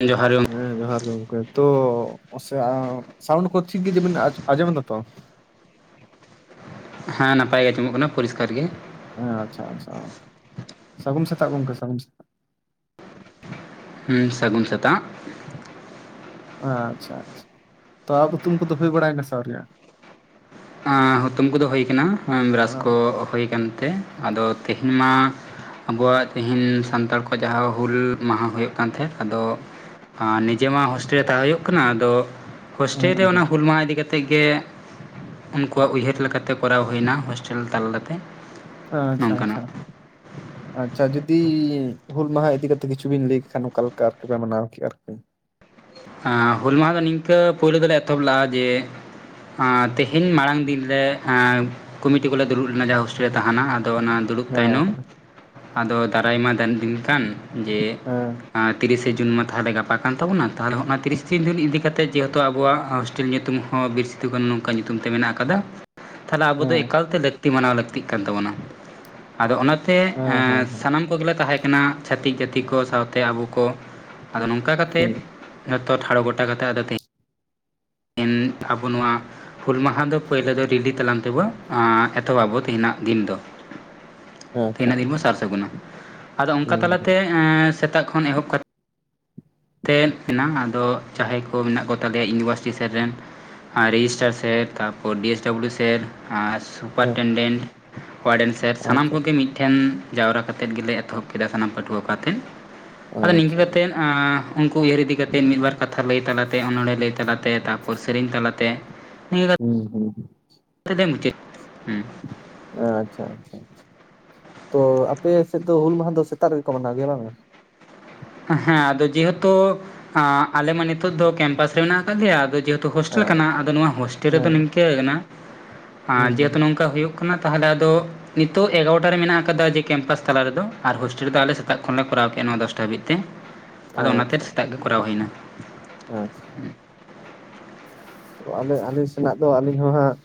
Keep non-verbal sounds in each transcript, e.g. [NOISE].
ᱡᱚᱦᱟᱨ ᱦᱮᱸ ᱡᱚᱦᱟᱨ ᱜᱮ ᱜᱚᱝᱠᱮ ᱛᱚ, ᱥᱟ ᱥᱟᱣᱩᱱᱰ ᱠᱚ ᱴᱷᱤᱠ ᱜᱮ ᱛᱚ ᱵᱤᱱ ᱟᱸᱡᱚᱢ ᱫᱟ ᱛᱚ? ᱦᱮᱸ ᱱᱟᱯᱟᱭ ᱜᱮ ᱟᱸᱚᱢᱚᱜ ᱠᱟᱱᱟ ᱯᱚᱨᱤᱥᱠᱟᱨ ᱜᱮ᱾ ᱦᱮᱸ ᱟᱪᱪᱷᱟ ᱟᱪᱪᱷᱟ, ᱥᱟᱹᱜᱩᱱ ᱥᱮᱛᱟᱜ ᱜᱚᱝᱠᱮ ᱥᱟᱹᱜᱩᱱ ᱥᱮ ᱦᱩᱸ ᱥᱟᱹᱜᱩᱱ ᱥᱮᱛᱟᱜ᱾ ᱟᱪᱪᱷᱟ ᱟᱪᱪᱷᱟ ᱛᱚ ᱟᱯ ᱦᱩᱛᱩᱢ ᱠᱚᱫᱚ ᱦᱩᱭ ᱵᱟᱲᱟᱭᱱᱟ ᱥᱮ ᱟᱣᱨᱤᱭᱟ? ᱟᱸᱻ ᱦᱩᱛᱩᱢ ᱠᱚᱫᱚ ᱦᱩᱭ ᱠᱟᱱᱟ ᱵᱨᱟᱥ ᱦᱮᱸ ᱠᱚ ᱦᱩᱭ ᱟᱠᱟᱱᱛᱮ ᱟᱫᱚ ᱛᱮᱦᱮᱧ ᱢᱟ ᱟᱵᱚᱣᱟᱜ ᱛᱤᱦᱤᱧ ᱥᱟᱱᱛᱟᱲ ᱠᱚᱣᱟᱜ ᱡᱟᱦᱟᱸ ᱦᱩᱞ ᱢᱟᱦᱟ ᱦᱩᱭᱩᱜ ᱠᱟᱱ ᱛᱟᱦᱮᱸᱫ ᱟᱫᱚ ᱟᱨ ᱱᱤᱡᱮ ᱢᱟ ᱦᱳᱥᱴᱮᱹᱞ ᱨᱮ ᱛᱟᱦᱮᱸ ᱦᱩᱭᱩᱜ ᱠᱟᱱᱟ ᱟᱫᱚ ᱦᱳᱥᱴᱮᱹᱞ ᱨᱮ ᱦᱮᱸ, ᱚᱱᱟ ᱦᱩᱞ ᱢᱟᱦᱟ ᱤᱫᱤ ᱠᱟᱛᱮᱜ ᱜᱮ ᱩᱱᱠᱩᱣᱟᱜ ᱩᱭᱦᱟᱹᱨ ᱞᱮᱠᱟᱛᱮ ᱠᱚᱨᱟᱣ ᱦᱩᱭᱱᱟ ᱦᱳᱥᱴᱮᱞ ᱛᱟᱞᱟᱛᱮ᱾ ᱟᱪᱪᱷᱟ ᱟᱪᱪᱷᱟ᱾ ᱟᱪᱪᱷᱟ ᱡᱩᱫᱤ ᱦᱩᱞ ᱢᱟᱦᱟ ᱤᱫᱤ ᱠᱟᱛᱮ ᱠᱤᱪᱷᱩ ᱵᱮᱱ ᱞᱟᱹᱭ ᱠᱮ ᱠᱷᱟᱱ ᱚᱠᱟᱮᱠᱟ ᱟᱨᱠᱤ ᱯᱮ ᱢᱟᱱᱟᱣ ᱠᱮᱜ-ᱟ ᱟᱨᱠᱤ? ᱟᱸᱻ ᱦᱩᱞ ᱢᱟᱦᱟ ᱫᱚ ᱱᱤᱝᱠᱟᱹ ᱯᱳᱭᱞᱳ ᱫᱚᱞᱮ ᱮᱛᱚᱦᱚᱵ ᱞᱮᱜ-ᱟ ᱡᱮ ᱟᱸᱻ ᱛᱮᱦᱮᱧ ᱢᱟᱲᱟᱝ ᱫᱤᱱ ᱨᱮ ᱟᱸᱻ ᱠᱚᱢᱤᱴᱤ ᱠᱚᱞᱮ ᱫᱩᱲᱩᱵ ᱞᱮᱱᱟ ᱡᱟᱦᱟᱸ ᱦᱳᱥᱴᱮᱹᱞ ᱨᱮ ᱛᱟᱦᱮᱱᱟ ᱟᱫᱚ ᱚᱱᱟ ᱫᱩᱲᱩᱵ ᱛᱟᱭᱱᱚᱢ ᱦᱮᱸ ᱟᱫᱚ ᱫᱟᱨᱟᱭ ᱢᱟ ᱫᱟᱱ ᱫᱤᱱ ᱠᱟᱱ ᱡᱮ ᱦᱮᱸ ᱛᱤᱨᱤᱥᱮ ᱡᱩᱱ ᱢᱟ ᱛᱟᱦᱚᱞᱮ ᱜᱟᱯᱟ ᱠᱟᱱ ᱛᱟᱵᱚᱱᱟ᱾ ᱛᱟᱦᱞᱮ ᱦᱚᱜ ᱚᱱᱟ ᱛᱤᱨᱤᱥ ᱛᱤᱱ ᱫᱤᱱ ᱤᱫᱤ ᱠᱟ ᱠᱟᱛᱮᱜ ᱡᱮᱦᱮᱛᱩ ᱟᱵᱚᱣᱟᱜ ᱦᱳᱥᱴᱮᱹᱞ ᱧᱩᱛᱩᱢ ᱦᱚᱸ ᱵᱤᱨ ᱥᱤᱫᱩ ᱠᱟᱹᱱᱩ ᱱᱚᱝᱠᱟ ᱧᱩᱛᱩᱢ ᱛᱮ ᱢᱮᱱᱟᱜ ᱟᱠᱟᱫᱟ᱾ ᱛᱟᱦᱚᱞᱮ ᱟᱵᱚ ᱫᱚ ᱦᱮᱸ ᱮᱠᱟᱞᱛᱮ ᱞᱟᱹᱠᱛᱤ ᱢᱟᱱᱟᱣ ᱞᱟᱹᱠᱛᱤᱜ ᱠᱟᱱ ᱛᱟᱵᱚᱱᱟ᱾ ᱟᱫᱚ ᱚᱱᱟᱛᱮ ᱦᱮᱸ ᱦᱮᱸ ᱦᱮᱸ ᱥᱟᱱᱟᱢ ᱠᱚᱜᱮᱞᱮ ᱛᱟᱦᱮᱸ ᱠᱟᱱᱟᱱᱟ ᱪᱷᱟᱹᱛᱤᱠ ᱡᱟᱹᱛᱤ ᱠᱚ ᱥᱟᱶᱛᱮ ᱟᱵᱚ ᱠᱚ ᱟᱫᱚ ᱱᱚᱝᱠᱟ ᱠᱟ ᱠᱟᱛᱮᱫ ᱦᱩᱸ, ᱡᱷᱚᱛᱚ ᱴᱷᱟᱲᱚ ᱜᱚᱴᱟ ᱠᱟᱛᱮ ᱟᱫᱚ ᱛᱮ ᱤᱱ ᱟᱵᱚ ᱱᱚᱣᱟ ᱦᱩᱞ ᱢᱟᱦᱟ ᱫᱚ ᱯᱳᱭᱞᱳ ᱫᱚ ᱨᱤᱞᱤ ᱛᱟᱞᱟᱝ ᱛᱮᱵᱚ ᱮᱛᱚᱦᱚᱵᱚ ᱛᱮᱦᱮᱧᱟᱜ ᱫᱤᱱ ᱫᱚ ᱟᱪᱪᱷᱟ ᱛᱮᱦᱤᱱᱟᱹᱜ ᱫᱤᱱ ᱵᱚᱱ ᱟᱪᱪᱷᱟ ᱥᱟᱨ ᱥᱟᱹᱜᱩᱱ ᱟ ᱟᱫᱚ ᱚᱱᱠᱟ ᱦᱩᱸ ᱦᱩᱸ, ᱛᱟᱞᱟᱛᱮ ᱥᱮᱛᱟᱜ ᱠᱷᱚᱱ ᱮᱦᱚᱵ ᱠᱟᱛᱮᱫ ᱛᱮᱫ ᱢᱮᱱᱟᱜ-ᱟ ᱟᱫᱚ ᱡᱟᱦᱟᱸᱭ ᱠᱚ ᱢᱮᱱᱟᱜ ᱠᱚᱛᱟᱞᱮᱭᱟ ᱤᱭᱩᱱᱤᱵᱷᱟᱨᱥᱤᱴᱤ ᱥᱮᱫ ᱨᱮᱱ ᱟᱨ ᱨᱮᱡᱤᱥᱴᱟᱨ ᱥᱮᱨ ᱛᱟᱨᱯᱚᱨ ᱰᱤ ᱮᱥ ᱰᱩ ᱥᱮᱨ ᱦᱮᱸ ᱥᱩᱯᱟᱨᱴᱮᱱᱰᱮᱱᱴ ᱚᱟᱨᱰᱮᱱᱥᱟᱨ ᱥᱟᱱᱟᱢ ᱟᱪᱪᱷᱟ ᱠᱚᱜᱮ ᱢᱤᱫᱮᱱ ᱴᱷᱮᱱ ᱡᱟᱣᱨᱟ ᱠᱟᱛᱮᱫ ᱜᱮᱞᱮ ᱮᱛᱚᱦᱚᱵ ᱠᱮᱫᱟ ᱥᱟᱱᱟᱢ ᱯᱟᱹᱴᱷᱩᱣᱟᱹ ᱠᱟᱛᱮᱫ ᱟᱫᱚ ᱱᱤᱝᱠᱟᱹ ᱟᱪᱪᱷᱟ ᱠᱟᱛᱮᱫ ᱩᱱᱠᱩ ᱩᱭᱦᱟᱹᱨ ᱤᱫᱤ ᱠᱟᱛᱮᱫ ᱢᱤᱫ ᱵᱟᱨ ᱠᱟᱛᱷᱟ ᱞᱟᱹᱭ ᱛᱟᱞᱟᱛᱮ ᱚᱱᱚᱲᱦᱮ ᱞᱟᱹᱭ ᱛᱟᱞᱟᱛᱮ ᱛᱟᱯᱚᱨ ᱥᱮᱨᱮᱧ ᱛᱟᱞᱟᱛᱮ ᱱ [INAUDIBLE] ᱦᱩᱸ ᱦᱩᱸ ᱢᱩᱪᱟᱫ ᱦᱩᱸ ᱟᱪᱪᱷᱟ ᱟᱪᱪᱷᱟ ᱛᱚ ᱟᱯᱮ ᱥᱮᱫ ᱫᱚ ᱦᱩᱞ ᱢᱟᱦᱟ ᱫᱚ ᱥᱮᱛᱟᱜ ᱨᱮᱜᱮᱠᱚ ᱢᱟᱱᱟᱣ ᱜᱮᱭᱟ ᱵᱟᱝ-ᱟ? ᱦᱮᱸ ᱟᱫᱚ ᱡᱮᱦᱮᱛᱩ ᱟᱞᱮ ᱢᱟ ᱱᱤᱛᱚᱜ ᱫᱚ ᱠᱮᱢᱯᱟᱥ ᱨᱮ ᱢᱮᱱᱟᱜ ᱟᱠᱟᱫᱮᱭᱟ ᱡᱮᱦᱩ ᱦᱳᱥᱴᱮᱞ ᱠᱟᱱᱟ ᱟᱪᱪᱷᱟ ᱟᱫᱚ ᱱᱚᱣᱟ ᱦᱳᱥᱴᱮᱞ ᱨᱮᱫᱚ ᱦᱮᱸ ᱱᱤᱝᱠᱟᱹ ᱠᱟᱱᱟ ᱡᱮᱦᱮᱛᱩ ᱦᱩᱸ ᱱᱚᱝᱠᱟ ᱦᱩᱭᱩᱜ ᱦᱩᱭᱩᱜ ᱠᱟᱱᱟ ᱛᱟᱦᱚᱞᱮ ᱟᱫᱚ ᱱᱤᱛᱚᱜ ᱮᱜᱟᱨᱚᱴᱟ ᱨᱮ ᱢᱮᱱᱟᱜ ᱟᱠᱟᱫᱟ ᱡᱮ ᱠᱮᱢᱯᱟᱥ ᱛᱟᱞᱟ ᱨᱮᱫᱚ ᱟᱨ ᱦᱳᱥᱴᱮᱞ ᱨᱮ ᱟᱞᱮ ᱥᱮᱛᱟᱜ ᱠᱷᱚᱱ ᱞᱮᱮ ᱠᱚᱨᱟᱣ ᱠᱮᱫᱮᱜ-ᱟ ᱱᱚᱣᱟ ᱫᱚᱥᱴᱟ ᱦᱟᱹᱵᱤᱡ ᱛᱮ ᱟᱫᱚ ᱚᱱᱟᱛᱮ ᱟᱪᱪᱷᱟ ᱥᱮᱛᱟᱜ ᱜᱮ ᱠᱚᱨᱟᱣ ᱦᱩᱭᱱᱟ᱾ ᱟᱪᱪᱷᱟ ᱛᱚ ᱟᱞᱮ ᱟᱹᱞᱤᱧ ᱥᱮᱱᱟᱜ ᱫᱚ ᱟᱹᱞᱤᱧ ᱦᱚᱸ ᱦᱟᱸᱜ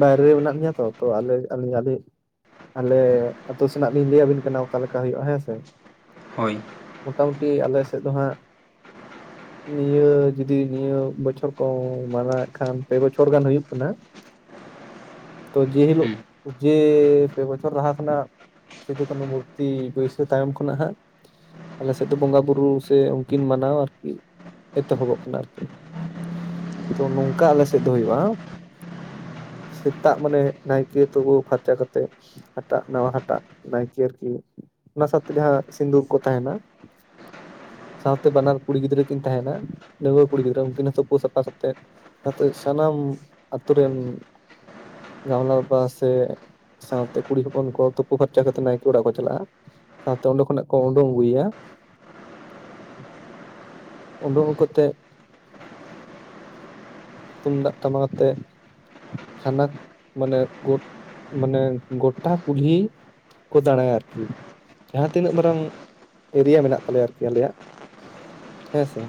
ᱵᱟᱭᱨᱮ ᱨᱮ ᱢᱮᱱᱟᱜ ᱞᱤᱧᱟᱹ ᱛᱚ ᱛᱚ ᱟᱞᱮ ᱟᱹᱞᱤᱧ ᱟᱞᱮ ᱟᱛᱳ ᱥᱮᱱᱟᱜ ᱞᱤᱧ ᱞᱟᱹᱭ ᱟᱵᱤᱱ ᱠᱟᱱᱟ ᱚᱠᱟᱞᱮᱠᱟ ᱦᱩᱭᱩᱜ-ᱟ ᱦᱮᱸ ᱥᱮ ᱦᱳᱭ ᱢᱳᱴᱟᱢᱩᱴᱤ ᱟᱞᱮ ᱥᱮᱫ ᱫᱚ ᱦᱟᱸᱜ ᱱᱤᱭᱟᱹ ᱡᱩᱫᱤ ᱱᱤᱭᱟᱹ ᱵᱚᱪᱷᱚᱨ ᱠᱚ ᱢᱟᱱᱟ ᱠᱷᱟᱱ ᱯᱮ ᱵᱚᱪᱷᱚᱨ ᱜᱟᱱ ᱦᱩᱭᱩᱜ ᱠᱟᱱᱟ ᱛᱚ ᱡᱮ ᱦᱤᱞᱳᱜ ᱦᱮᱸ ᱡᱮ ᱯᱮ ᱵᱚᱪᱷᱚᱨ ᱞᱟᱦᱟ ᱠᱷᱚᱱᱟᱜ ᱥᱤᱫᱩ ᱠᱟᱹᱱᱩ ᱢᱩᱨᱛᱤ ᱵᱟᱹᱭᱥᱟᱹᱠᱷ ᱛᱟᱭᱚᱢ ᱠᱷᱚᱱᱟᱜ ᱦᱟᱸᱜ ᱟᱞᱮ ᱥᱮᱫ ᱫᱚ ᱵᱚᱸᱜᱟ ᱵᱩᱨᱩ ᱥᱮ ᱩᱱᱠᱤᱱ ᱢᱟᱱᱟᱣ ᱟᱨᱠᱤ ᱮᱛᱚᱦᱚᱵᱚᱜ ᱠᱟᱱᱟ ᱟᱨᱠᱤ ᱛᱚ ᱱᱚᱝᱠᱟ ᱟᱞᱮ ᱥᱮᱫ ᱫᱚ ᱦᱩᱭᱩᱜ-ᱟ᱾ ᱥᱮᱛᱟᱜ ᱢᱟᱱᱮ ᱱᱟᱭᱠᱮ ᱛᱩᱯᱩ ᱯᱷᱟᱨᱪᱟ ᱠᱟᱛᱮᱜ ᱦᱟᱴᱟᱜ ᱱᱟᱣᱟ ᱦᱟᱴᱟᱜ ᱱᱟᱭᱠᱮ ᱟᱨᱠᱤ ᱚᱱᱟ ᱥᱟᱶᱛᱮ ᱡᱟᱦᱟᱸ ᱥᱤᱱᱸᱫᱩᱨ ᱠᱚ ᱛᱟᱦᱮᱱᱟ ᱥᱟᱶᱛᱮ ᱵᱟᱱᱟᱨ ᱠᱩᱲᱤ ᱜᱤᱫᱽᱨᱟᱹ ᱠᱤᱱ ᱛᱟᱦᱮᱱᱟ ᱰᱟᱝᱣᱟᱹ ᱠᱩᱲᱤ ᱜᱤᱫᱽᱨᱟᱹ ᱩᱱᱠᱤᱱ ᱦᱚᱸ ᱛᱩᱯᱩ ᱥᱟᱯᱷᱟ ᱛᱮ ᱱᱟᱛᱮ ᱥᱟᱱᱟᱢ ᱟᱛᱳ ᱨᱮᱱ ᱜᱟᱢᱞᱟ ᱵᱟᱵᱟ ᱥᱮ ᱥᱟᱶᱛᱮ ᱠᱩᱲᱤ ᱦᱚᱯᱚᱱ ᱠᱚ ᱛᱩᱯᱩ ᱯᱷᱟᱨᱪᱟ ᱠᱟᱛᱮ ᱱᱟᱭᱠᱮ ᱚᱲᱟᱜ ᱠᱚ ᱪᱟᱞᱟᱜ-ᱟ ᱥᱟᱶᱛᱮ ᱚᱸᱰᱮ ᱠᱷᱚᱱᱟᱜ ᱠᱚ ᱩᱰᱩᱝ ᱟᱹᱜᱩᱭᱟ ᱩᱰᱩᱝ ᱠᱟᱛᱮ ᱛᱩᱢᱫᱟᱜ ᱴᱟᱢᱟᱠ ᱟᱛᱮ ᱦᱟᱱᱟ ᱢᱟᱱᱮ ᱩᱫ ᱢᱟᱱᱮ ᱜᱚᱴᱟ ᱠᱩᱞᱦᱤ ᱠᱚ ᱫᱟᱬᱟᱭᱟ ᱟᱨᱠᱤ ᱡᱟᱦᱟᱸ ᱛᱤᱱᱟᱹᱜ ᱢᱟᱨᱟᱝ ᱮᱨᱤᱭᱟ ᱢᱮᱱᱟᱜ ᱛᱟᱞᱮᱭᱟ ᱟᱨᱠᱤ ᱟᱞᱮᱭᱟ ᱦᱮᱸ ᱥᱮ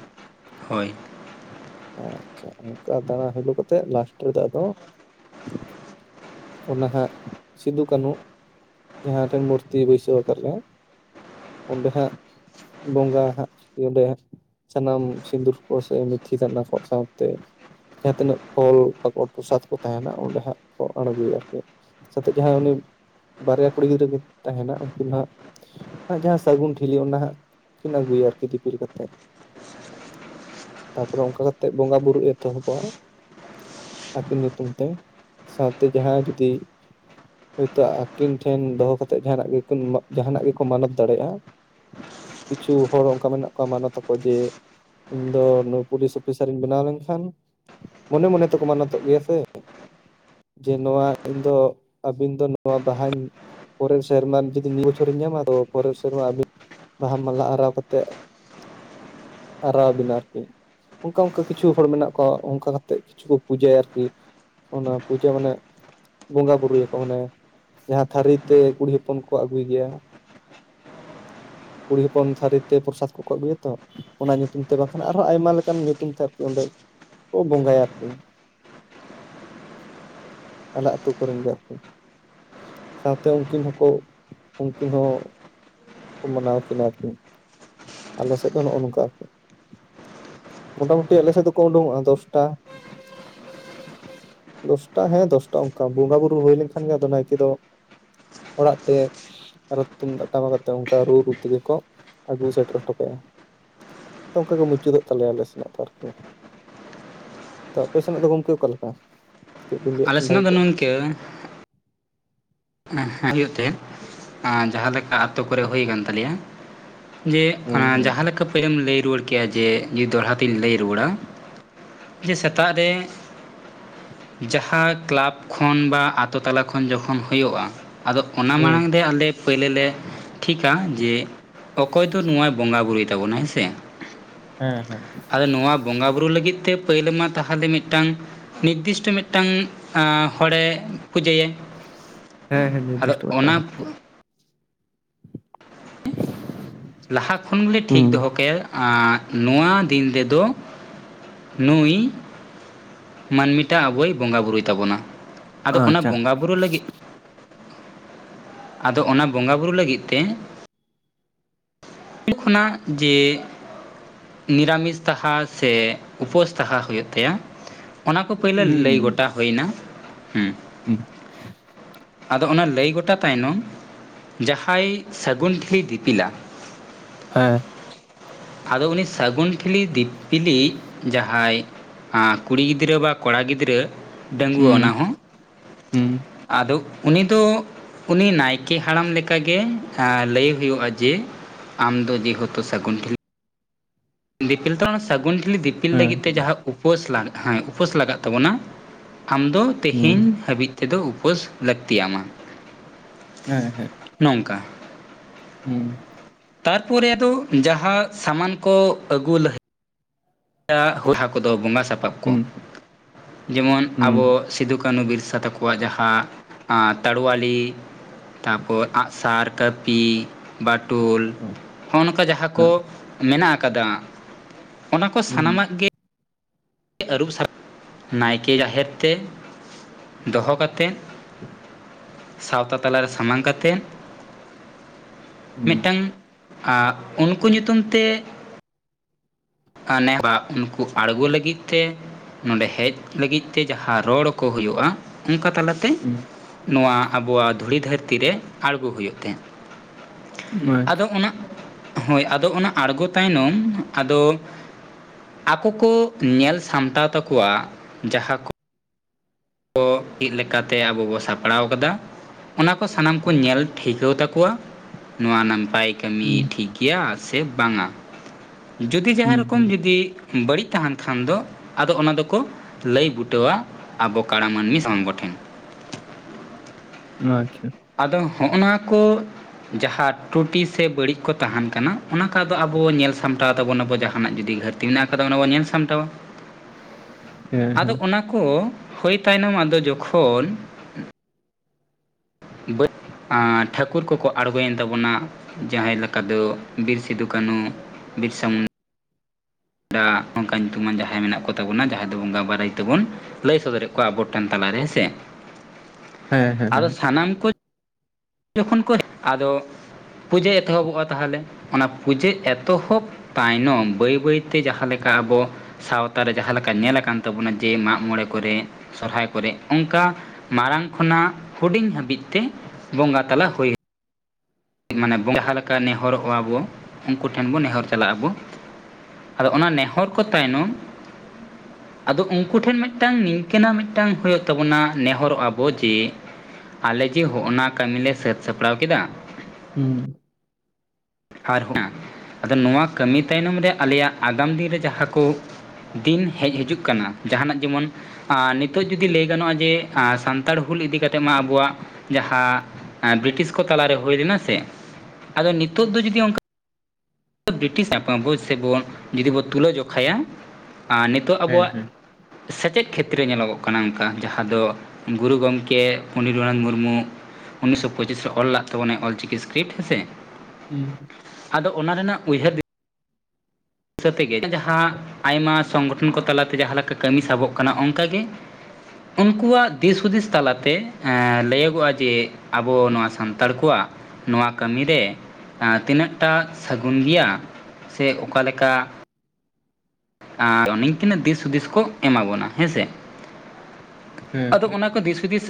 ᱦᱳᱭ ᱟᱪᱪᱷᱟ [UNINTELLIGIBLE] ᱠᱟ ᱫᱟᱬᱟ ᱦᱳᱞᱳ ᱠᱟᱛᱮᱜ ᱞᱟᱥᱴᱮ ᱨᱮᱫᱚ ᱟᱫᱚ ᱚᱱᱟᱦᱟᱜ ᱥᱤᱱᱫᱩ ᱠᱟᱹᱱᱩ ᱡᱟᱦᱟᱸ ᱴᱷᱮᱱ ᱢᱩᱨᱛᱤ ᱵᱟᱹᱭᱥᱟᱹᱣ ᱟᱠᱟᱱᱟ ᱚᱸᱰᱮ ᱦᱟᱸᱜ ᱵᱚᱸᱜᱟ ᱦᱟᱸᱜ ᱮᱰᱮ ᱭᱟ ᱥᱟᱱᱟᱢ ᱥᱤᱱᱫᱩᱨ ᱠᱚᱥᱮ ᱢᱮᱛᱷᱤ ᱫᱟᱱᱟ ᱠᱚ ᱥᱟᱸᱣᱛᱮ ᱡᱟᱦᱟᱸ ᱛᱤᱱᱟᱹᱜ ᱯᱷᱚᱞ ᱯᱟᱠᱚᱲ ᱯᱨᱚᱥᱟᱫ ᱠᱚ ᱛᱟᱦᱮᱱᱟ, ᱚᱸᱰᱮ ᱦᱟᱸᱜ ᱠᱚ ᱟᱬᱜᱚᱭᱟ ᱟᱨᱠᱤ ᱥᱟᱛᱮᱜ ᱡᱟᱦᱟᱸᱭ ᱩᱱᱤ ᱵᱟᱨᱭᱟ ᱠᱩᱲᱤ ᱜᱤᱫᱽᱨᱟᱹ ᱠᱤᱱ ᱛᱟᱦᱮᱱᱟ ᱩᱱᱠᱩᱤᱱ ᱫᱚ ᱦᱟᱸᱜ ᱡᱟᱦᱟᱸ ᱥᱟᱹᱜᱩᱱ ᱴᱷᱤᱞᱤ, ᱚᱱᱟ ᱦᱟᱸᱜ ᱠᱤᱱ ᱟᱹᱜᱩᱭᱟ ᱟᱨᱠᱤ ᱫᱤᱯᱤᱞ ᱠᱟᱛᱮᱫ᱾ ᱛᱟᱨᱯᱚᱨᱮ ᱚᱱᱠᱟ ᱠᱟᱛᱮᱫ ᱵᱚᱸᱜᱟ ᱵᱩᱨᱩ ᱮᱛᱚᱦᱚᱵᱚᱜᱼᱟ᱾ ᱟᱹᱠᱤᱱ ᱧᱩᱛᱩᱢ ᱛᱮ, ᱥᱟᱶᱛᱮ ᱡᱟᱦᱟᱸ ᱡᱩᱫᱤ ᱦᱭᱛᱳ ᱟᱹᱠᱤᱱ ᱴᱷᱮᱱ ᱫᱚᱦᱚ ᱠᱟᱛᱮᱜᱽ ᱡᱟᱦᱟᱱᱟᱜ ᱜᱮᱠᱤᱱ ᱡᱟᱦᱟᱱᱟᱜ ᱜᱮᱠᱚ ᱢᱟᱱᱚᱛ ᱫᱟᱲᱮᱭᱟᱜᱼᱟ᱾ ᱠᱤᱪᱷᱩ ᱦᱚᱲ ᱚᱱᱠᱟ ᱢᱮᱱᱟᱜ ᱠᱚᱣᱟ, ᱢᱟᱱᱚᱛᱟᱠᱚ ᱡᱮ ᱤᱧ ᱫᱚ ᱱᱩᱭ ᱯᱩᱞᱤᱥ ᱚᱯᱷᱤᱥᱟᱨᱤᱧ ᱵᱮᱱᱟᱣ ᱞᱮᱱᱠᱷᱟᱱ ᱢᱚᱱᱮ ᱢᱚᱱᱮ ᱛᱮᱠᱚ ᱢᱟᱱᱚᱛᱚᱜ ᱜᱮᱭᱟ ᱥᱮ ᱡᱮ ᱱᱚᱣᱟ ᱤᱧ ᱫᱚ ᱟᱹᱵᱤᱱ ᱫᱚ ᱱᱚᱣᱟ ᱵᱟᱦᱟᱧ ᱯᱚᱨᱮᱨ ᱥᱮᱨᱢᱟ ᱡᱩᱫᱤ ᱱᱤᱭᱟᱹ ᱵᱚᱪᱷᱚᱨᱤᱧ ᱧᱟᱢᱟ ᱫᱚ ᱯᱚᱨᱮᱨ ᱥᱮᱨᱢᱟ ᱵᱟᱦᱟ ᱢᱟᱞᱟ ᱟᱨᱟᱣ ᱠᱟᱛᱮᱜᱽ ᱟᱨᱟᱨᱟᱣ ᱟᱵᱤᱱᱟ ᱟᱨᱠᱤ, ᱚᱱᱠᱟ ᱚᱱᱠᱟ ᱠᱤᱪᱷᱩ ᱦᱚᱲ ᱢᱮᱱᱟᱜ ᱠᱚᱣᱟ ᱠᱚ ᱚᱱᱠᱟ ᱠᱟᱛᱮᱜ ᱠᱤᱪᱷᱩ ᱠᱚ ᱯᱩᱡᱟᱹᱭᱟ ᱟᱨᱠᱤ ᱚᱱᱟ ᱯᱩᱡᱟᱹ ᱢᱟᱱᱮ ᱵᱚᱸᱜᱟ ᱵᱩᱨᱩᱭᱟᱠᱚ, ᱢᱟᱱᱮ ᱡᱟᱦᱟᱸ ᱛᱷᱟᱹᱨᱤ ᱛᱮ ᱠᱩᱲᱤ ᱦᱚᱯᱚᱱ ᱠᱚ ᱟᱹᱜᱩᱭ ᱜᱮᱭᱟ ᱠᱩᱲᱤ ᱦᱚᱯᱚᱱ ᱛᱷᱟᱹᱨᱤ ᱛᱮ ᱯᱨᱚᱥᱟᱛ ᱠᱚ ᱠᱚ ᱟᱹᱜᱩᱭᱟ ᱛᱚ ᱚᱱᱟ ᱧᱩᱛᱩᱢ ᱛᱮ ᱵᱟᱝᱠᱷᱟᱱ ᱟᱨᱦᱚᱸ ᱟᱭᱢᱟ ᱞᱮᱠᱟᱱ ᱧᱩᱛᱩᱢ ᱛᱮ ᱟᱨᱠᱤ ᱚᱸᱰᱮ ᱠᱚ ᱵᱚᱸᱜᱟᱭᱟ ᱟᱨᱠᱤ ᱟᱞᱮ ᱟᱹᱛᱩ ᱠᱚᱨᱮᱱ ᱜᱮ ᱟᱨᱠᱤ ᱥᱟᱶᱛᱮ ᱩᱱᱠᱤᱱ ᱦᱚᱸᱠᱚ ᱩᱱᱠᱤᱱ ᱦᱚᱸ ᱢᱟᱱᱟᱣ ᱠᱤᱱᱟ ᱟᱨᱠᱤᱼ, ᱟᱞᱮ ᱥᱮᱫ ᱫᱚ ᱱᱚᱜᱼᱚ ᱱᱚᱝᱠᱟ ᱟᱨᱠᱤ᱾ ᱢᱚᱴᱟᱢᱩᱴᱤ ᱟᱞᱮ ᱥᱮᱫ ᱫᱚᱠᱚ ᱩᱰᱩᱝᱜᱼᱟ ᱫᱚᱥᱴᱟ ᱫᱚᱥᱴᱟ ᱦᱮᱸ ᱫᱚᱥᱴᱟ ᱚᱝᱠᱟ ᱵᱚᱸᱜᱟ ᱵᱩᱨᱩ ᱦᱩᱭ ᱞᱮᱱᱠᱷᱟᱱ ᱜᱮ ᱟᱫᱚ ᱱᱟᱭᱠᱮ ᱫᱚ ᱚᱲᱟᱜ ᱛᱮ ᱟᱨᱚ ᱛᱩᱢᱫᱟᱜ ᱴᱟᱢᱟ ᱟᱛᱮ ᱟᱫᱚ ᱚᱱᱠᱟ ᱨᱩ ᱨᱩ ᱛᱮᱜᱮ ᱠᱚ ᱟᱹᱜᱩ ᱥᱮᱴᱮᱨ ᱦᱚᱴᱚ ᱠᱟᱭᱟ᱾ ᱚᱝᱠᱟ ᱜᱮ ᱢᱩᱪᱟᱹᱫᱚᱜ ᱛᱟᱞᱮᱭᱟ ᱟᱞᱮ ᱥᱮᱱᱟᱜ ᱫᱚ ᱟᱨᱠᱤ᱾ ᱛ ᱟᱯᱮ ᱥᱮᱱᱟᱜ ᱫᱚ ᱜᱚᱢᱠᱮ ᱚᱠᱟᱞᱮᱠᱟ? ᱠᱟᱹᱡᱽ ᱵᱮᱤᱱ ᱞᱟᱹᱭ-ᱟ ᱟᱞᱮ ᱠᱷᱟᱱ ᱵᱷᱟᱹᱜᱤ ᱠᱚᱜᱼᱟ? [UNINTELLIGIBLE] ᱸ ᱦᱮᱸ ᱦᱮᱸᱤᱭᱟ ᱛᱮ ᱡᱟᱸᱦᱟ ᱞᱮᱠᱟ ᱟᱛᱩ ᱠᱚᱨᱮᱜ ᱦᱩᱭ ᱟᱠᱟᱱ ᱛᱟᱞᱮᱭᱟ ᱡᱮ ᱦᱩᱸ ᱮᱸ ᱦᱩᱸ ᱡᱟᱦᱟᱸ ᱞᱮᱠᱟ [INAUDIBLE] ᱞᱟᱹᱭ ᱨᱩᱣᱟᱹᱲ ᱠᱮᱫ ᱠᱮᱭᱟ ᱡᱮ ᱡᱚᱫᱤ ᱫᱚᱦᱲᱟ ᱛᱤᱧ ᱞᱟᱹᱭ ᱨᱩᱣᱟᱹᱲᱟ ᱥᱮᱛᱟᱜ ᱨᱮ ᱡᱟᱦᱟᱸ ᱠᱮᱞᱟᱵᱽ ᱠᱷᱚᱱ ᱵᱟ ᱟᱛᱳ ᱛᱟᱞᱟ ᱠᱷᱚᱱ ᱡᱚᱠᱷᱚᱱ ᱦᱩᱭᱩᱜᱼᱟ ᱟᱫᱚ ᱚᱱᱟ ᱦᱩᱸ ᱢᱟᱲᱟᱝ ᱨᱮ ᱟᱞᱮ ᱯᱳᱭᱞᱳ ᱞᱮ ᱴᱷᱤᱠᱟ, ᱡᱮ ᱚᱠᱚᱭ ᱫᱚ ᱱᱚᱣᱟᱭ ᱵᱚᱸᱜᱟ ᱵᱩᱨᱩᱭ ᱛᱟᱵᱚᱱᱟ ᱦᱮᱸ ᱥᱮ ᱦᱮᱸ ᱦᱮᱸ ᱟᱫᱚ ᱱᱚᱣᱟ ᱵᱚᱸᱜᱟ ᱵᱩᱨᱩ ᱞᱟᱹᱜᱤᱫ ᱛᱮ ᱯᱟᱹᱭᱞᱟᱹ ᱢᱟ ᱛᱟᱦᱚᱞᱮ ᱢᱤᱫᱴᱟᱝ ᱱᱤᱨᱫᱤᱥᱴᱚ ᱢᱤᱫᱴᱟᱝ ᱦᱚᱲᱮ ᱯᱩᱡᱟᱹᱭᱟ ᱦᱮᱸ ᱦᱮᱸ ᱱᱤᱨᱫᱤᱥᱴᱚ ᱢᱤᱫᱴᱟᱝ ᱦᱚᱸ [UNINTELLIGIBLE] ᱞᱟᱦᱟ ᱠᱷᱚᱱ ᱜᱮᱞᱮ ᱴᱷᱤᱠ ᱦᱩᱸ ᱫᱚᱦᱚ ᱠᱟᱭᱟ᱾ ᱟᱨ ᱱᱚᱣᱟ ᱫᱤᱱ ᱛᱮᱫᱚ ᱱᱩᱭ ᱢᱟᱹᱱᱢᱤᱴᱟ ᱟᱵᱚᱭ ᱵᱚᱸᱜᱟ ᱵᱩᱨᱩᱭ ᱛᱟᱵᱚᱱᱟ ᱟᱫᱚ ᱚᱱᱟ ᱟᱪᱪᱷᱟ ᱵᱚᱸᱜᱟ ᱵᱩᱨᱩ ᱞᱟᱹᱜᱤᱫ ᱟᱫᱚ ᱚᱱᱟ ᱵᱚᱸᱜᱟ ᱵᱩᱨᱩ ᱞᱟᱹᱜᱤᱫ ᱛᱮ [UNINTELLIGIBLE] ᱠᱷᱚᱱᱟᱜ ᱡᱮ ᱱᱤᱨᱟᱢᱤᱥ ᱛᱟᱦᱟ ᱥᱮ ᱩᱯᱟᱹᱥ ᱛᱟᱦᱟ ᱦᱩᱭᱩᱜ ᱛᱟᱭᱟ᱾ ᱚᱱᱟ ᱠᱚ ᱯᱳᱭᱞᱳ ᱦᱩᱸ ᱞᱟᱹᱭ ᱦᱮᱸ ᱜᱚᱴᱟ ᱦᱩᱭᱱᱟᱮ᱾ [UNINTELLIGIBLE] ᱟᱫᱚ ᱚᱱᱟ ᱞᱟᱹᱭ ᱜᱚᱴᱟ ᱛᱟᱭᱱᱚᱢ ᱡᱟᱦᱟᱸᱭ ᱥᱟᱹᱜᱩᱱ ᱴᱷᱤᱞᱤ ᱫᱤᱯᱤᱞᱟ ᱦᱮᱸ ᱟᱫᱚ ᱩᱱᱤ ᱥᱟᱹᱜᱩᱱ ᱴᱷᱤᱞᱤ ᱫᱤᱯᱤᱞᱤ ᱡᱟᱦᱟᱸᱭ ᱠᱩᱲᱤ ᱜᱤᱫᱽᱨᱟᱹ ᱵᱟ ᱠᱚᱲᱟ ᱜᱤᱫᱽᱨᱟᱹ ᱰᱟᱹᱜᱩᱭᱣ ᱦᱩᱸ ᱚᱱᱟ ᱦᱮᱸ ᱦᱚᱸ ᱦᱩᱸ ᱟᱫᱚ ᱩᱱᱤ ᱫᱚ ᱩᱱᱤ ᱱᱟᱭᱠᱮ ᱦᱟᱲᱟᱢ ᱞᱮᱠᱟᱜ ᱜᱮ ᱟᱸ ᱞᱟᱹᱭ ᱦᱩᱭᱩᱜᱼᱟ ᱡᱮ ᱟᱢ ᱫᱚ ᱡᱮᱦᱮᱛᱩ ᱥᱟᱹᱜᱩᱱ ᱴᱷᱤᱞᱹ ᱫᱤᱯᱤᱞ ᱫᱚ ᱚᱱᱟ ᱥᱟᱹᱜᱩᱱ ᱴᱷᱤᱞᱤ ᱫᱤᱯᱤᱞ ᱞᱟᱹᱜᱤᱫ ᱛᱮ ᱡᱟᱦᱟᱸ ᱩᱯᱟᱹᱥ ᱞᱟᱜ ᱦᱮᱸ ᱩᱯᱟᱹᱥ ᱞᱟᱜᱟᱜ ᱛᱟᱵᱚᱱᱟ ᱟᱢ ᱫᱚ ᱛᱮᱦᱮᱧ ᱦᱟᱹᱵᱤᱡ ᱛᱮᱫᱚ ᱩᱯᱟᱹᱥ ᱞᱟᱹᱠᱛᱤ ᱟᱢᱟ ᱦᱮᱸ ᱦᱮᱸ ᱱᱚᱝᱠᱟ ᱦᱩᱸ ᱛᱟᱨᱯᱚᱨᱮ ᱫᱚ ᱡᱟᱦᱟᱸ ᱥᱟᱢᱟᱱ ᱠᱚ ᱟᱹᱜᱩ ᱞᱟ. ᱦ ᱭᱟ.... ᱦᱚᱭᱦᱟ ᱠᱚ ᱫᱚ ᱵᱚᱸᱜᱟ ᱥᱟᱯᱟᱵ ᱠᱚ ᱦᱩᱸ ᱡᱮᱢᱚᱱ ᱦᱩᱸ ᱟᱵᱚ ᱥᱤᱫᱩ ᱠᱟᱹᱱᱩ ᱵᱤᱨᱥᱟ. ᱛᱟᱠᱚᱣᱟᱜ ᱡᱟᱦᱟᱸ ᱟᱸ ᱛᱟ. ᱲᱩᱣᱟᱞᱤ ᱛᱟᱯᱚᱨ ᱟᱸᱜ-ᱥᱟᱨ ᱠᱟᱹᱯᱤ ᱵᱟᱴᱩᱞ ᱦᱚᱸᱜ ᱱᱚᱝᱠᱟ ᱡᱟᱦᱟᱸ ᱟᱪᱪᱷᱟ ᱠᱚ ᱢᱮᱱᱟᱜ ᱟᱠᱟᱫᱟ ᱚᱱᱟ ᱠᱚ ᱦᱮᱸ ᱦᱮᱸ ᱥᱟᱱᱟᱢᱟᱜ ᱜᱮ ᱟᱹᱨᱩᱵ ᱥᱟᱜ [INAUDIBLE] ᱱᱟᱭᱠᱮ ᱡᱟᱦᱮᱨ ᱛᱮ ᱫᱚᱦᱚ ᱠᱟᱛᱮᱫ ᱥᱟᱶᱛᱟ ᱛᱟᱞᱟ ᱨᱮ ᱥᱟᱢᱟᱝ ᱠᱟᱛᱮᱱ ᱦᱮᱸ ᱦᱮᱸ ᱦᱮᱸ ᱢᱤᱫᱴᱟᱝ ᱟᱸ... ᱩᱱᱠᱩ ᱧᱩᱛᱩᱢ ᱛᱮ ᱟᱱᱮ ᱵᱟ ᱩᱱᱠᱩ ᱟᱬᱜᱩ ᱞᱟᱹᱜᱤᱫ ᱛᱮ ᱱᱚᱸᱰᱮ ᱦᱮᱡ ᱞᱟᱹᱜᱤᱫ ᱛᱮ ᱡᱟᱦᱟᱸ ᱨᱚᱲ ᱠᱚ ᱦᱩᱭᱩᱜᱼᱟ ᱚᱱᱠᱟ ᱛᱟᱞᱟ... ᱛᱮ ᱦᱩᱸ ᱦᱮᱸ ᱦᱮᱸ ᱱᱚᱶᱟ ᱟᱵᱚᱣᱟᱜ ᱫᱷᱩᱲᱤ ᱫᱷᱟᱹᱨᱛᱤ ᱨᱮ ᱟᱬᱜᱚ ᱦᱩᱭᱩᱜ ᱛᱮ ᱟᱫᱚ ᱚᱱᱟ ᱦᱳᱭ ᱟᱫᱚ ᱚᱱᱟ ᱟᱬᱜᱚ ᱛᱟᱭᱱᱚᱢ ᱟᱫᱚ ᱟᱠᱚ ᱠᱚ ᱧᱮᱞ ᱥᱟᱢᱴᱟᱣ ᱛᱟᱠᱚᱣᱟ ᱡᱟᱦᱟᱸ ᱠᱚ ᱚ ᱪᱮᱫ ᱞᱮᱠᱟᱛᱮ ᱟᱵᱚ ᱵᱚ ᱥᱟᱯᱲᱟᱣ ᱟᱠᱟᱫᱟ ᱚᱱᱟᱠᱚ ᱥᱟᱱᱟᱢ ᱠᱚ ᱧᱮᱞ ᱴᱷᱤᱠᱟᱹᱣ ᱛᱟᱠᱚᱣᱟ ᱱᱚᱶᱟ ᱱᱟᱸᱯᱟᱭ ᱠᱟᱹᱢᱤ ᱦᱩᱸ ᱴᱷᱤᱠ ᱜᱮᱭᱟ ᱥᱮ ᱵᱟᱝ-ᱟ ᱡᱩᱫᱤ ᱡᱟᱦᱟᱸ ᱦᱮᱸ ᱨᱚᱠᱚᱢ ᱡᱩᱫᱤ ᱵᱟᱹᱲᱤᱡ ᱛᱟᱦᱮᱱ ᱠᱷᱟᱱ ᱫᱚ ᱟᱫᱚ ᱚᱱᱟ ᱫᱚ ᱠᱚ ᱞᱟᱹᱭ ᱵᱩᱴᱟᱹᱣᱟ ᱟᱵᱚ ᱠᱟᱬᱟ ᱢᱟᱹᱱᱢᱤ ᱥᱟᱢᱟᱝ ᱠᱚᱴᱷᱮᱱ ᱟᱪᱪᱷᱟ ᱟᱫᱚ ᱦᱚᱸᱜᱼᱱᱚᱶᱟ ᱠᱚ ᱡᱟᱦᱟᱸ ᱴᱩᱴᱤ ᱥᱮ ᱵᱟᱹᱲᱤᱡ ᱠᱚ ᱛᱟᱦᱮᱱ ᱠᱟᱱᱟ ᱚᱱᱟᱠᱟ ᱫᱚ ᱟᱵᱚ ᱧᱮᱞ ᱥᱟᱢᱴᱟᱣ ᱛᱟᱵᱚᱱᱟ ᱵᱚ ᱡᱟᱦᱟᱱᱟᱜ ᱡᱩᱫᱤ ᱜᱷᱟ.... ᱛᱤ ᱢᱮᱱᱟᱜ ᱟᱠᱟᱫᱚ ᱚᱱᱟ ᱵᱚᱸ ᱧᱮᱞ ᱥᱟᱢᱴᱣᱟ [INAUDIBLE] ᱟᱫᱚ ᱚᱱᱟ ᱠᱚ ᱦᱩᱭ ᱛᱟᱭᱱᱚᱢ ᱟᱫᱚ ᱡᱚᱠᱷᱚᱱ ᱵᱟ.... ᱟᱸ... ᱴᱷᱟᱹᱠᱩᱨ ᱠᱚᱠᱚ ᱟᱬᱜᱚᱭᱮᱱ ᱛᱟᱵᱚᱱᱟ ᱡᱟᱦᱟᱸᱭ ᱞᱮᱠᱟ ᱫᱚ ᱵᱤᱨ ᱥᱤᱫᱩ ᱠᱟᱹᱱᱩ ᱵᱤᱨᱥᱟ. ᱢᱩᱱᱰ.... ᱰᱟ ᱚᱝᱠᱟ ᱧᱩᱛᱩᱢᱟᱱ ᱡᱟᱦᱟᱸᱭ ᱢᱮᱱᱟᱜ ᱠᱚ ᱛᱟᱵᱚᱱᱟ ᱡᱟᱦᱟᱸᱭ ᱫᱚ ᱵᱚᱸᱜᱟ ᱵᱟᱨᱟᱭ ᱛᱮᱵᱚᱱ ᱞᱟᱹᱭ ᱥᱚᱫᱚᱨ ᱮᱫ ᱠᱚᱣᱟ ᱟᱵᱚ ᱴᱷᱮᱱ ᱛᱟᱞᱟᱨᱮ ᱦᱮᱸ ᱥᱮ ᱦᱮᱸ ᱦᱮᱸ ᱦᱮᱸ ᱥᱟᱱᱟᱢ ᱠᱚᱡ ᱡᱚᱠᱷᱚᱱ ᱠᱚ [INAUDIBLE] ᱟᱫᱚ ᱯᱩᱡᱟᱹ ᱮᱛᱚᱦᱚᱵᱚᱜᱼᱟ ᱛᱟᱦᱟᱞᱮ ᱚᱱᱟ ᱯᱩᱡᱟᱹ ᱮᱛᱚᱦᱚᱵ ᱛᱟᱭᱱᱚᱢ ᱵᱟᱹᱭ ᱵᱟᱹᱭᱛᱮ ᱡᱟᱦᱟᱸ ᱞᱮᱠᱟ ᱟᱵᱚ ᱥᱟᱶᱛᱟ ᱨᱮ ᱡᱟᱦᱟᱸ ᱞᱮᱠᱟ ᱧᱮᱞ ᱟᱠᱟᱱ ᱛᱟᱵᱚᱱᱟ ᱡᱮ ᱢᱟᱜ ᱢᱚᱬᱮ ᱠᱚᱨᱮ ᱥᱚᱨᱦᱟᱭ ᱠᱚᱨᱮ ᱚᱱᱠᱟ ᱢᱟᱲᱟᱝ ᱠᱷᱚᱱᱟᱜ ᱦᱩᱰᱤᱧ ᱦᱟᱹᱵᱤᱡ ᱛᱮ ᱵᱚᱸᱜᱟ ᱛᱟᱞᱟ ᱦᱩᱭ ᱢᱟᱱᱮ ᱡᱟᱦᱟᱸ ᱞᱮᱠᱟ ᱱᱮᱦᱚᱨᱚᱜᱼᱟ ᱵᱚᱸ ᱩᱱᱠᱩ ᱴᱷᱮᱱ ᱵᱚᱱ ᱱᱮᱦᱚᱨ ᱪᱟᱞᱟᱜ ᱟᱵᱚ ᱟᱫᱚ ᱚᱱᱟ ᱱᱮᱦᱚᱨ ᱠᱚ ᱛᱟᱭᱱᱚᱢ [INAUDIBLE] ᱟᱫᱚ ᱩᱱᱠᱩ ᱴᱷᱮᱱ ᱢᱤᱫᱴᱟᱝ ᱱᱤᱝᱠᱟᱹᱱᱟᱜ ᱢᱤᱫᱴᱟᱝ ᱦᱩᱭᱩᱜ ᱛᱟᱵᱚᱱᱟ ᱱᱮᱦᱚᱨᱚᱜ ᱟᱵᱚ ᱡᱮ ᱟᱞᱮ ᱡᱮ ᱦᱚᱸᱜ ᱱᱟ ᱠᱟᱹᱢᱤᱞᱮ ᱥᱟᱹᱛ ᱥᱟᱯᱲᱟᱣ ᱠᱮᱫᱟ ᱦᱩᱸ ᱟᱨ ᱦᱮᱸ, ᱟᱫᱚ ᱱᱚᱣᱟ ᱠᱟᱹᱢᱤ ᱛᱟᱭᱱᱚᱢ ᱨᱮ ᱟᱞᱮᱭᱟᱜ ᱟᱜᱟᱢ ᱫᱤᱱ ᱨᱮ ᱡᱟᱦᱟᱸ ᱠᱚ ᱫᱤᱱ ᱦᱮᱡ ᱦᱤᱡᱩᱜ ᱠᱟᱱᱟ ᱡᱟᱸᱦᱟᱱᱟᱜ ᱡᱮᱢᱚᱱ ᱟᱸ, ᱱᱤᱛᱚᱜ ᱡᱩᱫᱤ ᱞᱟᱹᱭ ᱜᱟᱱᱚᱜ-ᱟ ᱡᱮ ᱟᱸ, ᱥᱟᱱᱛᱟᱲ ᱦᱩᱞ ᱤᱫᱤ ᱠᱟᱛᱮᱫ ᱢᱟ ᱟᱵᱚᱣᱟᱜ ᱡᱟᱦᱟᱸ ᱮᱸ, ᱵᱨᱤᱴᱤᱥ ᱠᱚ ᱛᱟᱞᱟᱨᱮ ᱦᱩᱭ ᱞᱮᱱᱟ ᱥᱮ ᱟᱫᱚ ᱱᱤᱛᱳᱜ ᱫᱚ ᱡᱩᱫᱤ ᱚᱝᱠᱟ ᱵᱨᱤᱴᱤᱥ [UNINTELLIGIBLE] ᱥᱮ ᱵᱚᱱ ᱡᱩᱫᱤ ᱵᱚᱱ ᱛᱩᱞᱟᱹ ᱡᱚᱠᱷᱟᱭᱟ ᱟᱸ, ᱱᱤᱛᱳᱜ ᱟᱵᱚᱣᱟᱜ ᱥᱮᱪᱮᱫ ᱠᱷᱮᱛᱨᱮ ᱧᱮᱞᱚᱜᱚᱜ ᱠᱟᱱᱟ ᱚᱝᱠᱟ ᱡᱟᱦᱟᱸ ᱫᱚ ᱜᱩᱨᱩ ᱜᱚᱝᱠᱮ ᱯᱚᱱᱰᱤᱛ ᱨᱚᱜᱷᱩᱱᱟᱛᱷ ᱢᱩᱨᱢᱩ ᱩᱱᱤᱥᱥᱚ ᱯᱚᱸᱪᱤᱥ ᱨᱮ ᱚᱞ ᱞᱟᱜ ᱛᱟᱵᱚᱱᱟᱭ ᱚᱞᱪᱤᱠᱤ ᱤᱥᱠᱨᱤᱯᱴ ᱦᱮᱸ ᱥᱮ᱾ ᱦᱩᱸ᱾ ᱟᱫᱚ ᱚᱱᱟ ᱨᱮᱱᱟᱜ ᱩᱭᱦᱟᱹᱨ ᱫᱤ ᱥᱟᱹ ᱛᱮᱜᱮ ᱡᱟᱦᱟᱸ ᱟᱭᱢᱟ ᱥᱚᱝᱜᱚᱴᱷᱚᱱ ᱠᱚ ᱛᱟᱞᱟᱛᱮ ᱡᱟᱦᱟᱸ ᱞᱮᱠᱟ ᱠᱟᱹᱢᱤ ᱥᱟᱵᱚᱜ ᱠᱟᱱᱟ᱾ ᱚᱝᱠᱟᱜᱮ ᱩᱱᱠᱩᱣᱟᱜ ᱫᱤᱥ ᱦᱩᱫᱤᱥ ᱛᱟᱞᱟᱛᱮ ᱮᱸ, ᱞᱟᱹᱭᱚᱜᱚᱜ-ᱟ ᱡᱮ ᱟᱵᱚ ᱱᱚᱣᱟ ᱥᱟᱱᱛᱟᱲ ᱠᱚᱣᱟᱜ ᱱᱚᱣᱟ ᱠᱟᱹᱢᱤᱨᱮ ᱛᱤᱱᱟᱹᱜᱴᱟ ᱥᱟᱹᱜᱩᱱ ᱜᱮᱭᱟ ᱥᱮ ᱚᱠᱟᱞᱮᱠᱟ? ᱟᱨ ᱱᱤᱝᱠᱤᱱᱟᱜ ᱫᱤᱥ ᱦᱩᱫᱤᱥ ᱠᱚ ᱮᱢᱟ ᱵᱚᱱᱟ ᱦᱮᱸᱥᱮ᱾ ᱟᱫᱚ ᱚᱱᱟ ᱠᱚ ᱫᱤᱥ ᱦᱩᱫᱤᱥ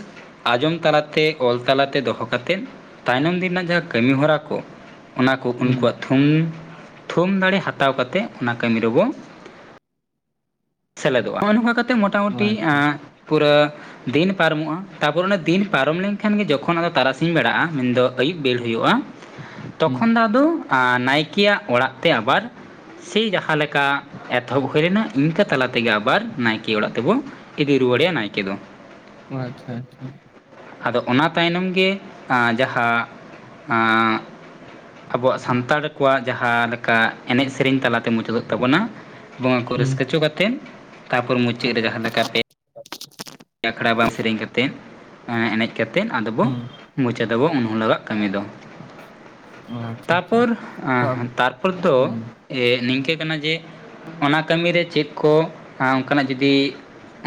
ᱟᱸᱡᱚᱢ ᱛᱟᱞᱟᱛᱮ ᱚᱞ ᱛᱟᱞᱟᱛᱮ ᱫᱚᱦᱚ ᱠᱟᱛᱮᱫ ᱛᱟᱭᱱᱚᱢ ᱫᱤᱱ ᱨᱮᱱᱟᱜ ᱡᱟᱦᱟᱸ ᱠᱟᱹᱢᱤ ᱦᱚᱨᱟ ᱠᱚ ᱚᱱᱟ ᱠᱚ ᱠᱩᱠᱩᱣᱟᱜ ᱛᱷᱩᱢ, ᱛᱷᱩᱢ ᱫᱟᱲᱮ ᱦᱟᱛᱟᱣ ᱠᱟᱛᱮᱜ ᱚᱱᱟ ᱠᱟᱹᱢᱤ ᱨᱮᱵᱚ ᱥᱮᱞᱮᱫᱚᱜ-ᱟ ᱦᱚᱸᱜ-ᱚ ᱱᱚᱝᱠᱟ ᱠᱟᱛᱮᱜ ᱢᱚᱴᱟᱢᱩᱴᱤ ᱟᱪᱪᱷᱟ ᱮᱸᱻ ᱯᱩᱨᱟᱹ ᱫᱤᱱ ᱯᱟᱨᱚᱢᱚᱜ-ᱟ, ᱛᱟᱨᱯᱚᱨ ᱚᱱᱟ ᱫᱤᱱ ᱯᱟᱨᱚᱢ ᱞᱮᱱᱠᱷᱟᱱ ᱜᱮ ᱡᱚᱠᱷᱚᱱ ᱟᱫᱚ ᱛᱟᱨᱟᱥᱤᱧ ᱵᱮᱲᱟᱜ-ᱟ ᱢᱮᱱᱫᱚ ᱟᱹᱭᱩᱵ ᱵᱮᱲ ᱦᱩᱭᱩᱜ-ᱟ ᱛᱚᱠᱷᱚᱱ ᱦᱩᱸ ᱫᱚ ᱟᱫᱚ ᱱᱟᱭᱠᱮᱭᱟᱜ ᱟᱸ, ᱚᱲᱟᱜ ᱛᱮ ᱟᱵᱟᱨ ᱥᱮᱭ ᱡᱟᱦᱟᱸ ᱞᱮᱠᱟ ᱮᱛᱚᱦᱚᱵ ᱦᱩᱭ ᱞᱮᱱᱟ ᱤᱱᱠᱟᱹ ᱛᱟᱞᱟ ᱛᱮᱜᱮ ᱟᱵᱟᱨ ᱱᱟᱭᱠᱮ ᱚᱲᱟᱜ ᱛᱮᱵᱚ ᱤᱫᱤ ᱨᱩᱣᱟᱹᱲᱮᱭᱟ ᱱᱟᱭᱠᱮ ᱫᱚ᱾ ᱟᱪᱪᱷᱟ ᱟᱪᱪᱷᱟ᱾ ᱟᱫᱚ ᱚᱱᱟ ᱛᱟᱭᱱᱚᱢ ᱜᱮ ᱟᱸᱻ ᱡᱟᱦᱟᱸ ᱟᱵᱚᱣᱟᱜ ᱥᱟᱱᱛᱟᱲ ᱠᱚᱣᱟᱜ ᱡᱟᱦᱟᱸ ᱞᱮᱠᱟ ᱮᱱᱮᱡ ᱥᱮᱨᱮᱧ ᱛᱟᱞᱟᱛᱮ ᱢᱩᱪᱟᱹᱫᱚᱜ ᱛᱟᱵᱚᱱᱟ ᱵᱚᱸᱜᱟ ᱠᱚ ᱦᱩᱸ ᱨᱟᱹᱥᱠᱟᱹ ᱪᱚ ᱠᱟᱛᱮᱫ ᱛᱟᱯᱚᱨ ᱢᱩᱪᱟᱹᱫ ᱨᱮ ᱡᱟᱦᱟᱸ ᱞᱮᱠᱟ ᱯᱮ [INAUDIBLE] ᱟᱠᱷᱲᱟ ᱵᱟᱝ ᱥᱮᱨᱮᱧ ᱠᱟᱛᱮᱫ ᱮᱱᱮᱡ ᱠᱟᱛᱮᱫ ᱟᱫᱚ ᱵᱚ ᱦᱩᱸ ᱢᱚᱪᱟᱫᱟ ᱵᱚ ᱩᱱ ᱦᱤᱞᱚᱜᱟᱜ ᱠᱟᱹᱢᱤ ᱫᱚ᱾ ᱟᱪᱪᱷᱟ ᱟᱪᱪᱷᱟ ᱛᱟᱨᱯᱚᱨ ᱟᱸ ᱛᱟᱨᱯᱚᱨ ᱫᱚ ᱦᱩᱸ ᱮᱜ, ᱱᱤᱝᱠᱟᱹ ᱠᱟᱱᱟ ᱡᱮ ᱚᱱᱟ ᱠᱟᱹᱢᱤᱨᱮ ᱪᱮᱫ ᱠᱚ ᱚᱝᱠᱟᱱᱟᱜ ᱡᱩᱫᱤ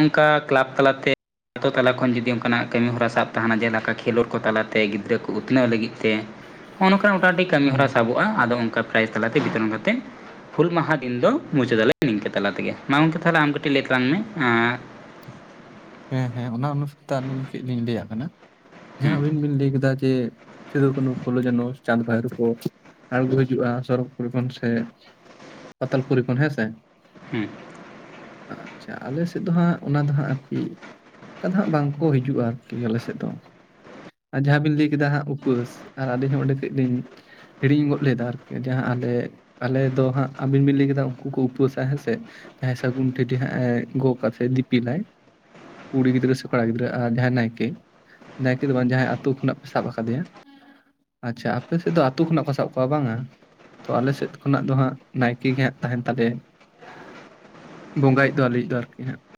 ᱚᱜᱠᱟ ᱠᱞᱟᱵᱽ ᱛᱟᱞᱟᱛᱮ ᱟᱛᱳ ᱛᱟᱞᱟ ᱠᱷᱚᱱ ᱡᱩᱫᱤ ᱚᱱᱠᱟᱱᱟᱜ ᱠᱟᱹᱢᱤᱦᱚᱨᱟ ᱥᱟᱵ ᱛᱟᱦᱮᱱᱟ ᱡᱮᱞᱮᱠᱟ ᱠᱷᱮᱞᱳᱰ ᱠᱚ ᱛᱟᱞᱟᱛᱮ ᱜᱤᱫᱽᱨᱟᱹ ᱠᱚ ᱩᱛᱱᱟᱹᱣ ᱞᱟᱹᱜᱤᱫ ᱛᱮ ᱱᱚᱜ-ᱚ ᱱᱚᱝᱠᱟ ᱢᱚᱴᱟᱢᱩᱴᱤ ᱦᱩᱸ ᱠᱟᱹᱢᱤᱦᱚᱨᱟ ᱥᱟᱵᱚᱜ-ᱟ ᱟᱫᱚ ᱚᱱᱠᱟ ᱯᱨᱟᱭᱤᱡ ᱛᱟᱞᱟᱛᱮ ᱵᱤᱛᱚᱨᱚᱱ ᱠᱟᱛᱮᱫ ᱦᱩᱞ ᱢᱟᱦᱟ ᱫᱤᱱ ᱫᱚ ᱢᱩᱪᱟᱹᱫᱟᱞᱮ ᱱᱤᱝᱠᱟᱹ ᱛᱟᱞᱟ ᱛᱮᱜᱮ᱾ ᱢᱟ ᱜᱚᱝᱠᱮ ᱛᱟᱦᱞᱮ ᱟᱢ ᱠᱟᱹᱴᱤᱡ ᱞᱟᱹᱭ ᱛᱟᱞᱟᱝ ᱢᱮ᱾ ᱮᱸ ᱦᱮᱸ ᱦᱮᱸ ᱚᱱᱟ ᱚᱱᱩᱥᱟᱨ ᱛᱮ ᱟᱹᱞᱤᱧ ᱠᱟᱹᱡ ᱞᱤᱧ ᱞᱟᱹᱭᱟᱜ ᱠᱟᱱᱟ, ᱡᱟᱦᱟᱸ ᱦᱮᱸ ᱦᱮᱸ ᱟᱹᱵᱤᱱ ᱵᱤᱱ ᱞᱟᱹᱭ ᱠᱮᱫᱟ ᱡᱮ, ᱥᱩᱫᱩ, ᱠᱥᱱᱩ, ᱯᱷᱩᱞᱳ, ᱡᱟᱱᱚ, ᱪᱟᱸᱫᱽ, ᱵᱷᱟᱭᱨᱚ ᱠᱚ ᱟᱬᱜᱚ ᱦᱤᱡᱩᱜ-ᱟ ᱥᱚᱨᱚᱜᱽ ᱯᱩᱨᱤ ᱠᱷᱚᱱ ᱥᱮ ᱯᱟᱛᱟᱞ ᱯᱩᱨᱤ ᱠᱷᱚᱱ ᱦᱮᱸ ᱥᱮ ᱦᱩᱸ ᱟᱪᱪᱷᱟ ᱟᱞᱮ ᱥᱮᱫ ᱫᱚ ᱦᱟᱸᱜ ᱚᱱᱟ ᱫᱚ ᱦᱟᱸᱜ ᱟᱨᱠᱤ ᱚᱝᱠᱟ ᱫᱚ ᱦᱟᱸᱜ ᱵᱟᱝᱠᱚ ᱦᱤᱡᱩᱜ-ᱟ ᱟᱨᱠᱤ ᱟᱞᱮ ᱥᱮᱫ ᱫᱚ᱾ ᱟᱨ ᱡᱟᱦᱟᱸ ᱵᱤᱱ ᱞᱟᱹᱭ ᱠᱮᱫᱟ ᱦᱟᱸᱜ ᱩᱯᱟᱹᱥ ᱟᱨ ᱟᱹᱞᱤᱧ ᱦᱚᱸ ᱚᱸᱰᱮ ᱠᱟᱹᱡ ᱞᱤᱧ ᱦᱤᱲᱤᱧ ᱜᱚᱫ ᱞᱮᱫᱟ ᱟᱨᱠᱤ ᱡᱟᱦᱟᱸ ᱟᱞᱮ ᱟᱞᱮ ᱫᱚ ᱦᱟᱸᱜ ᱟᱵᱤᱱ ᱵᱤᱱ ᱞᱟᱹᱭ ᱠᱮᱫᱟ ᱩᱝᱠᱩ ᱠᱚ ᱩᱯᱟᱹᱥᱟ ᱦᱮᱸ ᱥᱮ᱾ ᱡᱟᱦᱟᱸᱭ ᱥᱟᱹᱜᱩᱱ ᱴᱷᱤᱞᱤ ᱦᱟᱸᱜ-ᱮ ᱜᱚᱜᱟ ᱥᱮ ᱫᱤᱯᱤᱞᱟᱭ᱾ ᱠᱩᱲᱤ ᱜᱤᱫᱽᱨᱟᱹ ᱥᱮ ᱠᱚᱲᱟ ᱜᱤᱫᱽᱨᱟᱹ ᱟᱨ ᱡᱟᱦᱟᱸᱭ ᱱᱟᱭᱠᱮ, ᱱᱟᱭᱠᱮ ᱫᱚ ᱵᱟᱝ ᱡᱟᱦᱟᱸᱭ ᱟᱛᱳ ᱠᱷᱚᱱᱟᱜ ᱠᱚ ᱥᱟᱵ ᱟᱠᱟᱫᱮᱭᱟ᱾ ᱟᱪᱪᱷᱟ, ᱟᱯᱮ ᱥᱮᱫ ᱫᱚ ᱟᱹᱛᱩ ᱠᱷᱚᱱᱟᱜ ᱠᱚ ᱥᱟᱵ ᱠᱚᱣᱟ ᱵᱟᱝᱟ? ᱛᱚ ᱟᱞᱮ ᱥᱮᱫ ᱠᱷᱚᱱᱟᱜ ᱫᱚ ᱦᱟᱸᱜ ᱱᱟᱭᱠᱮ ᱜᱮ ᱦᱟᱸᱜ ᱛᱟᱸᱦᱮᱱ ᱛᱟᱞᱮᱭᱟᱭ᱾ ᱵᱚᱸᱜᱟᱭᱤᱡ ᱫᱚ ᱟᱹᱞᱮᱭᱤᱡ ᱫᱚ ᱟᱨᱠᱤ ᱦᱟᱸᱜ